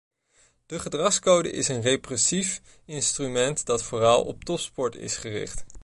De gedragscode is een repressief instrument dat vooral op topsport is gericht.